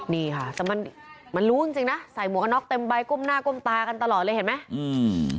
นี่ค่ะแต่มันมันรู้จริงจริงนะใส่หมวกกันน็อกเต็มใบก้มหน้าก้มตากันตลอดเลยเห็นไหมอืม